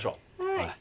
はい。